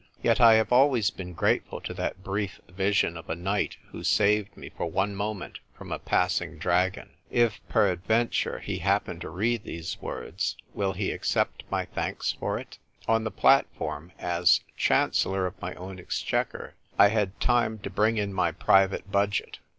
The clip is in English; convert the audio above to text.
Yet I have always been grateful to that brief vision of a knight who saved me for one moment from a passing dragon. If peradventure he happen to read these words, will he accept my thanks for it ? On the platform, as Chancellor of my own Exchequer, I had time to bring in my private budget.